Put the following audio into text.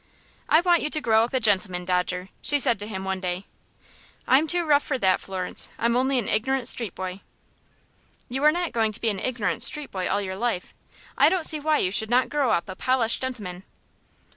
"I want you to grow up a gentleman, Dodger," she said to him one day. "I'm too rough for that, Florence. I'm only an ignorant street boy." "You are not going to be an ignorant street boy all your life. I don't see why you should not grow up a polished gentleman."